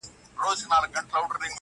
دى خو بېله تانه كيسې نه كوي~